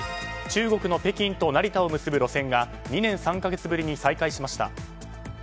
中国の北京と成田を結ぶ路線が２年３か月ぶりに再開しました。